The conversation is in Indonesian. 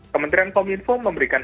kementerian kominfo memberikan